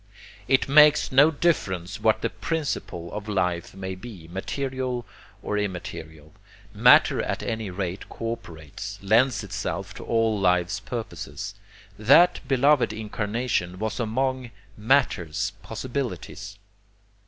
It makes no difference what the PRINCIPLE of life may be, material or immaterial, matter at any rate co operates, lends itself to all life's purposes. That beloved incarnation was among matter's possibilities.